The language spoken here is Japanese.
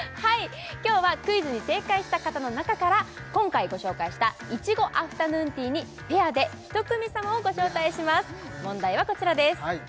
今日はクイズに正解した方の中から今回ご紹介したいちごアフタヌーンティーにペアで１組様をご招待します問題はこちらです